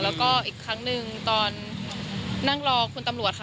แล้วก็อีกครั้งหนึ่งตอนนั่งรอคุณตำรวจค่ะ